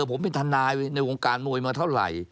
ผมเป็นทนายในวงการมวยมาเท่าไหร่